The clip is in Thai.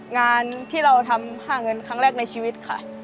งานที่เราทำหาเงินครั้งแรกในชีวิตค่ะ